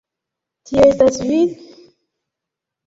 Tio estas vi?